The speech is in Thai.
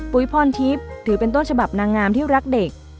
พรทิพย์ถือเป็นต้นฉบับนางงามที่รักเด็ก